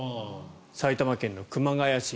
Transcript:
埼玉県の熊谷市。